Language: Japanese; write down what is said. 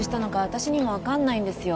私にも分かんないんですよ